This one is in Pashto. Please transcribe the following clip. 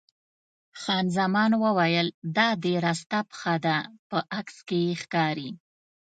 خان زمان وویل: دا دې راسته پښه ده، په عکس کې یې ښکاري.